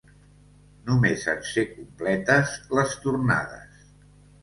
Només em sé completes les tornades.